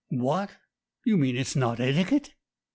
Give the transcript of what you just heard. "What ? You mean it's not etiquette